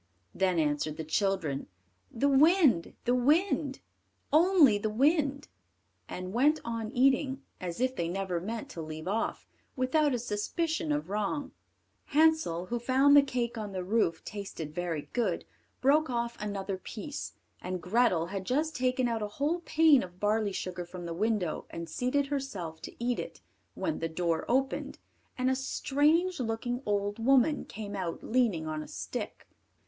Then answered the children: "The wind, the wind, Only the wind," and went on eating as if they never meant to leave off, without a suspicion of wrong. Hansel, who found the cake on the roof taste very good, broke off another large piece, and Grethel had just taken out a whole pane of barley sugar from the window, and seated herself to eat it, when the door opened, and a strange looking old woman came out leaning on a stick.